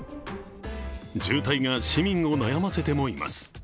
渋滞が市民を悩ませてもいます。